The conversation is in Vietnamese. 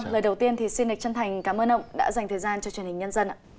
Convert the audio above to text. lời đầu tiên xin đạch chân thành cảm ơn ông đã dành thời gian cho truyền hình nhân dân